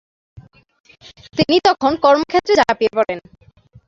তিনি তখন কর্মক্ষেত্রে ঝাপিয়ে পড়েন।